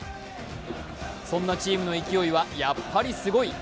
そんなチームの勢いはやっぱりすごい。